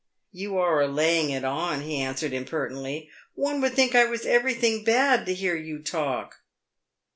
" You are a laying it on," he answered impertinently ;" one would think I was everything bad to hear you talk."